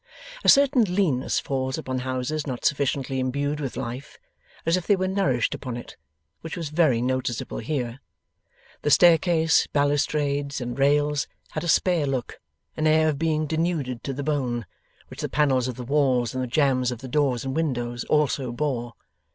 A certain leanness falls upon houses not sufficiently imbued with life (as if they were nourished upon it), which was very noticeable here. The staircase, balustrades, and rails, had a spare look an air of being denuded to the bone which the panels of the walls and the jambs of the doors and windows also bore.